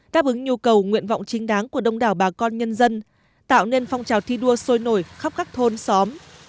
đáp ứng nhu cầu nguyện vọng chính đáng của đông đảo bà con nhân dân tạo nên phong trào thi đua sôi nổi khắp các thôn xóm